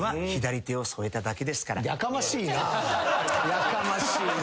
やかましいな。